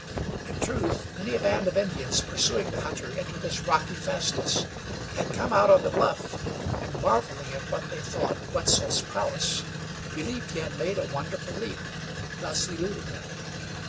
In truth, many a band of Indians pursuing the hunter into this rocky fastness had come out on the bluff, and, marveling at what they thought Wetzel's prowess, believed he had made a wonderful leap, thus eluding them.